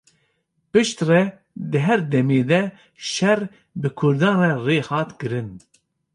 Piştre, di her demê de şer bi kurdan rê hat kirin.